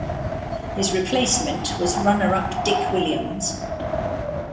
His replacement was runner up Dick Williams.